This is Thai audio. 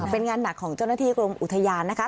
เป็นงานหนักของเจ้าหน้าที่กรมอุทยานนะคะ